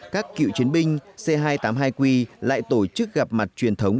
các cựu chiến binh c hai trăm tám mươi hai q lại tổ chức gặp mặt truyền thống